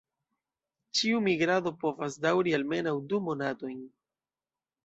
Ĉiu migrado povas daŭri almenaŭ du monatojn.